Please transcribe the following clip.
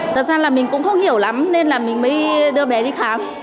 thật ra là mình cũng không hiểu lắm nên là mình mới đưa bé đi khám